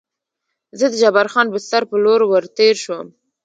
زه د جبار خان بستر په لور ور تېر شوم.